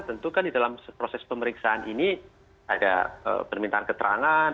tentu kan di dalam proses pemeriksaan ini ada permintaan keterangan